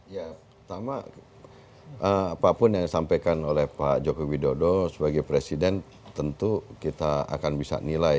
ya pertama apapun yang disampaikan oleh pak joko widodo sebagai presiden tentu kita akan bisa nilai